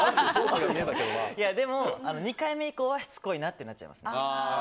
でも２回目以降はしつこいなってなっちゃいます。